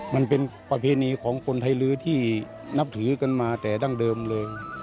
มันเป็นประเพณีของคนไทยลื้อที่นับถือกันมาแต่ดั้งเดิมเลย